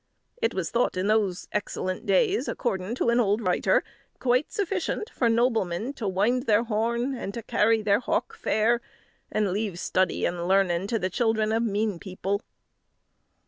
It was thought in those excellent days, according to an old writer, 'quite sufficient for noblemen to winde their horn, and to carry their hawke fair; and leave study and learning to the children of mean people.'"